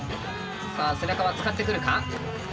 さあ背中は使ってくるか？